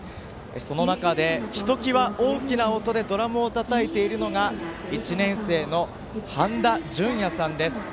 その中でひときわ、大きな音でドラムをたたいているのが１年生の半田じゅんやさんです。